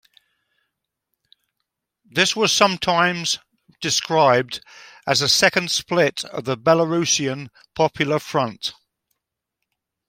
This was sometimes described as a "second split" of the Belarusian Popular Front.